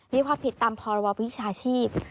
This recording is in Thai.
มีความผิดตามพรบวิชาชีพ